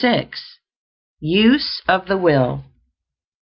USE OF THE WILL.